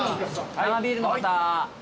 生ビールの方。